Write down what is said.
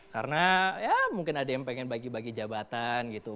karena ya mungkin ada yang pengen bagi bagi jabatan gitu